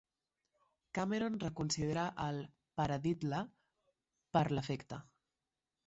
Cameron reconsidera el "paradiddle" per l'efecte.